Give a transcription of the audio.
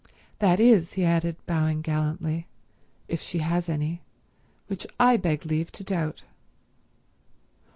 That is," he added, bowing gallantly, "if she has any—which I beg leave to doubt."